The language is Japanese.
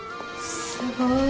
すごい。